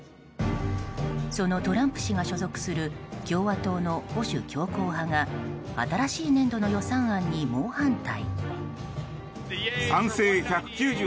そのトランプ氏が所属する共和党の保守強硬派が新しい年度の予算案に猛反対。